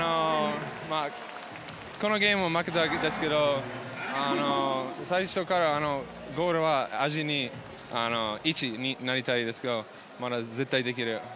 このゲームは負けたわけですけど最初からゴールはアジア１位になりたいですから絶対できる。